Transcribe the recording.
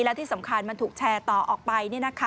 และที่สำคัญมันถูกแชร์ต่อออกไป